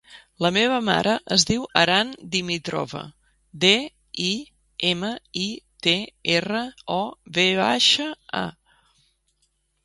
La meva mare es diu Aran Dimitrova: de, i, ema, i, te, erra, o, ve baixa, a.